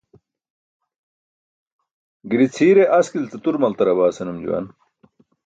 Giri cʰiire "askil ce tur maltarabaa" senum juwan.